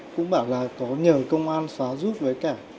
cũng bảo là có nhờ công an xóa rút với cả